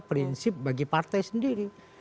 prinsip bagi partai sendiri